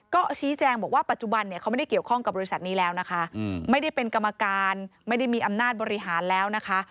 ก็ชี้แจงบอกว่าปัจจุบันเนี่ยเขาไม่ได้เกี่ยวข้องกับบริษัทนี้แล้วนะคะไม่ได้เป็นกรรมการไม่ได้มีอำนาจบริหารแล้วนะคะ